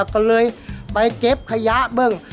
ก็เลยไปเก็บขยะบ้าง